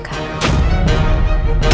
aku akan menangkapmu